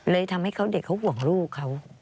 เลยทำให้เด็กเขาห่วงลูกเขา